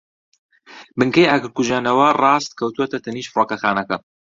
بنکەی ئاگرکوژێنەوە ڕاست کەوتووەتە تەنیشت فڕۆکەخانەکە.